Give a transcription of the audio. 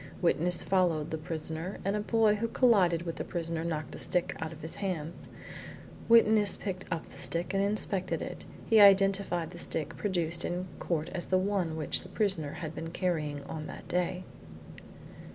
Witness followed the prisoner, and a boy who collided with the prisoner knocked the stick out of his hands. Witness picked up the stick and inspected it. He identified the stick produced in court as the one which the prisoner had been carrying on that day.